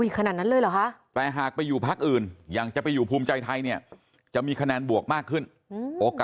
ขนาดนั้นเลยเหรอคะ